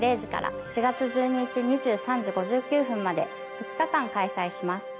２日間開催します。